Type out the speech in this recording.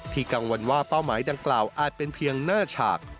กังวลว่าเป้าหมายดังกล่าวอาจเป็นเพียงหน้าฉาก